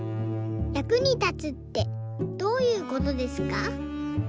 役に立つってどういうことですか？」。